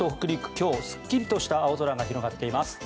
今日、すっきりとした青空が広がっています。